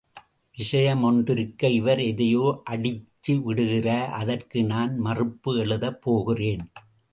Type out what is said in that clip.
விஷயம் ஒன்றிருக்க இவர் எதையோ அடிச்சு விடுகிறார் அதற்கு நான் மறுப்பு எழுதப் போகிறேன்.